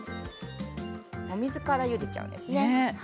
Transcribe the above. お水からゆでちゃうんですね。